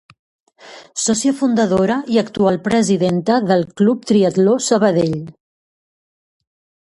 Sòcia fundadora i actual presidenta del Club Triatló Sabadell.